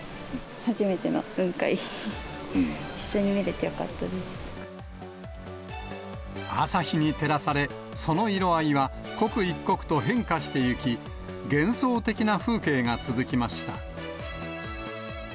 初めての雲朝日に照らされ、その色合いは刻一刻と変化してゆき、幻想的な風景が続きました。